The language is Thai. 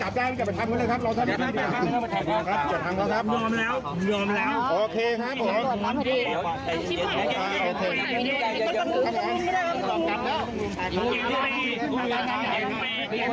พอแล้วพอแล้วพอแล้ว